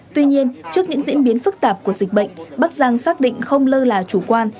tuy nhiên trước những diễn biến phức tạp của dịch bệnh bắc giang xác định không lơ là chủ quan